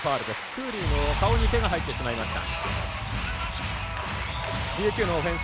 クーリーの顔に手が入ってしまいました。